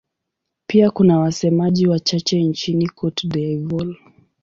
Pia kuna wasemaji wachache nchini Cote d'Ivoire.